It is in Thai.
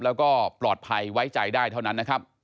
แล้วก็ปลอดภัยไว้ใจได้เท่านั้นนะครับ